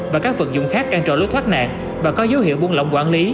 và các vật dụng khác can trọ lối thoát nạn và có dấu hiệu buôn lỏng quản lý